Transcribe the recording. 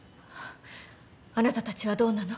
あなたたちはどうなの？